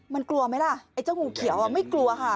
มันกลัวไหมล่ะไอ้เจ้างูเขียวไม่กลัวค่ะ